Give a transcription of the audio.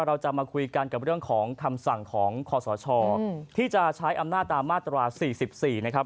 เราจะมาคุยกันกับเรื่องของคำสั่งของคอสชที่จะใช้อำนาจตามมาตรา๔๔นะครับ